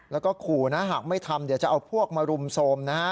แล้วก็ขู่นะหากไม่ทำเดี๋ยวจะเอาพวกมารุมโทรมนะฮะ